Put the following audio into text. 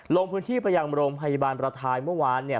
ลงพื้นที่ไปยังโรงพยาบาลประทายเมื่อวานเนี่ย